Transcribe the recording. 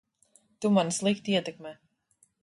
Tu mani slikti ietekmē.